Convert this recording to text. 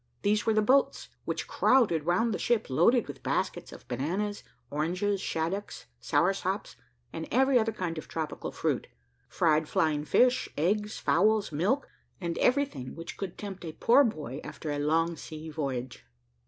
These were the boats, which crowded round the ship, loaded with baskets of bananas, oranges, shaddocks, soursops, and every other kind of tropical fruit, fried flying fish, eggs, fowls, milk, and everything which could tempt a poor boy after a long sea voyage.